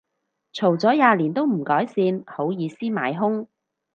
嘈咗廿年都唔改善，好意思買兇